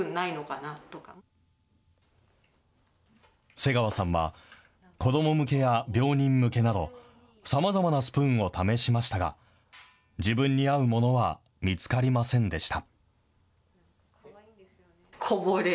瀬川さんは、子ども向けや病人向けなど、さまざまなスプーンを試しましたが、自分に合うものは見つかりませんでした。